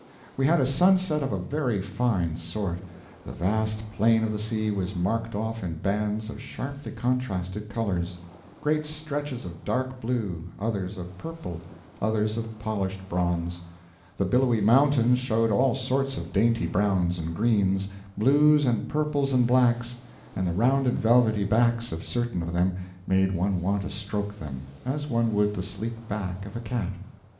We had a sunset of a very fine sort. The vast plain of the sea was marked off in bands of sharply contrasted colors: great stretches of dark blue, others of purple, others of polished bronze; the billowy mountains showed all sorts of dainty browns and greens, blues and purples and blacks, and the rounded velvety backs of certain of them made one want to stroke them, as one would the sleek back of a cat.